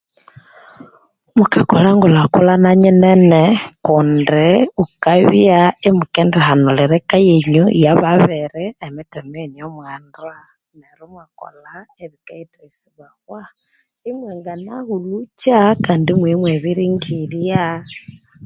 Mukakola engulhakulhana nene kundi mukabya imukihanulira eka yenyu yababiri emitima eyino mwanda neryo imwakolha ebikeyithisibawa imwanganahukya kandi imwabya mwabiringirya